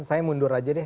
saya mundur saja deh